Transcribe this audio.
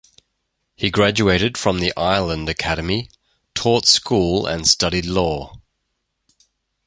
He graduated from the Ireland Academy, taught school and studied law.